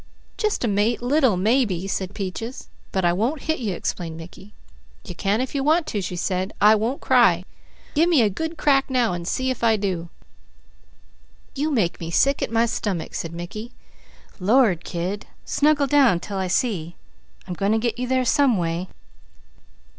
"Just a little bit, maybe," said Peaches. "But I won't hit you," explained Mickey. "You can if you want to," she said. "I won't cry. Give me a good crack now, an' see if I do." "You make me sick at my stummick," said Mickey. "Lord, kid! Snuggle down 'til I see. I'm going to get you there some way."